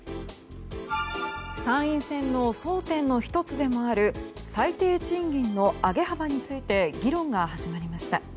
参院選の争点の１つでもある最低賃金の上げ幅について議論が始まりました。